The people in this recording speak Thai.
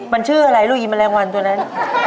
มันชื่ออะไรลูกอีแมลงวันตัวนั้น